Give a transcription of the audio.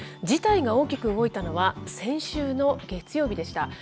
事態が大きく動いたのは、先週の月曜日でした。